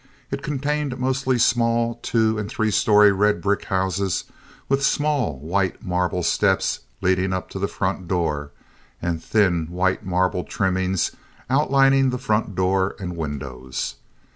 It contained mostly small two and three story red brick houses, with small white marble steps leading up to the front door, and thin, white marble trimmings outlining the front door and windows.